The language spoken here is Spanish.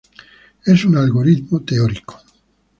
Es un algoritmo teórico.